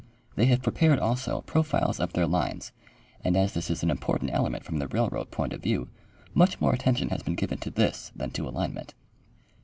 They have prepared also profiles of their lines, and as this is an imjjortant element from the railroad point of view, much more attention has heen given to this than to alignment.